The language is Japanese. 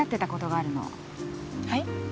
はい？